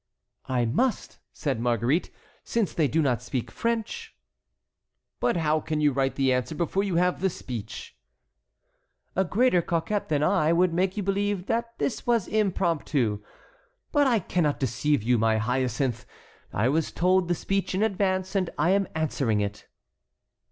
"I must," said Marguerite, "since they do not speak French." "But how can you write the answer before you have the speech?" "A greater coquette than I would make you believe that this was impromptu; but I cannot deceive you, my Hyacinthe: I was told the speech in advance, and I am answering it."